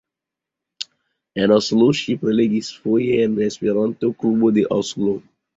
En Oslo ŝi prelegis foje en Esperanto-klubo de Oslo.